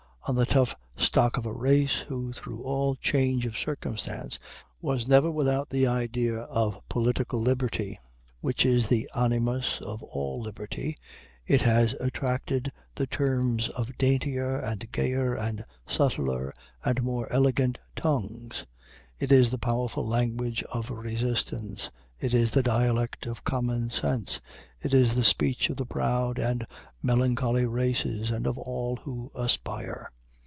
On the tough stock of a race who through all change of circumstance was never without the idea of political liberty, which is the animus of all liberty, it has attracted the terms of daintier and gayer and subtler and more elegant tongues. It is the powerful language of resistance it is the dialect of common sense. It is the speech of the proud and melancholy races, and of all who aspire.